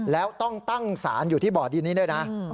แล้วต้องตั้งสารอยู่ที่บ่อดินนี้ด้วยนะ